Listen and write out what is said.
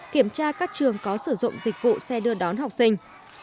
kiểm tra các trường có sử dụng dịch vụ xe đưa đón học sinh